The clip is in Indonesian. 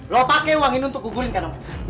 lo pake uang ini untuk gugurin kan lo